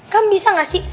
kamu bisa gak sih